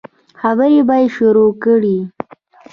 خبرې به يې شروع کړې.